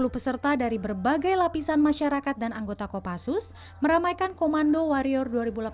enam ratus lima puluh peserta dari berbagai lapisan masyarakat dan anggota kopassus meramaikan komando warrior dua ribu delapan belas